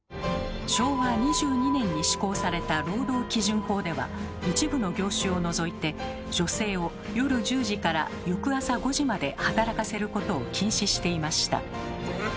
昭和２２年に施行された労働基準法では一部の業種を除いて女性を夜１０時から翌朝５時まで働かせることを禁止していました。